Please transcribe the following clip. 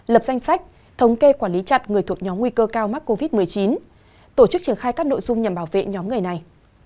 lập danh sách thống kê quản lý chặt người thuộc nhóm nguy cơ cao mắc covid một mươi chín tổ chức triển khai các nội dung nhằm bảo vệ nhóm người này